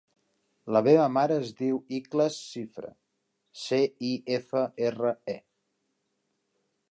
La meva mare es diu Ikhlas Cifre: ce, i, efa, erra, e.